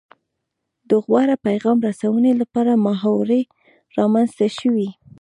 د غوره پیغام رسونې لپاره محاورې رامنځته شوې